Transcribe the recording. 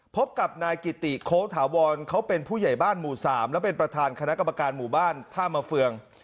พบกับนายกิติโค้ถาวรเขาเป็นผู้ใหญ่บ้านหมู่๓และเป็นประธานคณะกรรมการหมู่บ้านท่ามาเฟือง